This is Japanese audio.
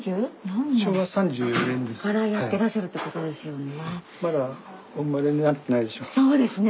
からやってらっしゃるってことですよね。